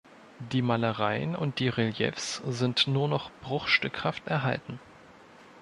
Die Malereien und die Reliefs sind nur noch bruchstückhaft erhalten.